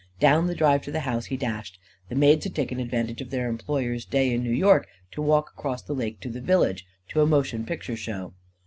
Down the drive to the house he dashed. The maids had taken advantage of their employers' day in New York, to walk across the lake to the village, to a motion picture show.